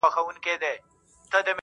ستا د يوه واري ليدلو جنتې خوندونه,